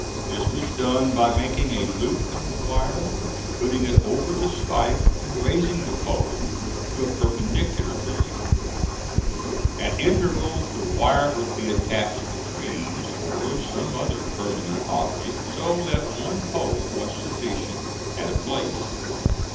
This was done by making a loop in the wire and putting it over the spike and raising the pole to a perpendicular position. At intervals the wire would be attached to trees, or some other permanent object, so that one pole was sufficient at a place.